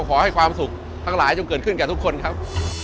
ขอให้ความสุขทั้งหลายจงเกิดขึ้นกับทุกคนครับ